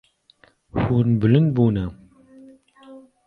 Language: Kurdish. Hûn bilind bûne.